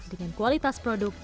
dengan kualitas produk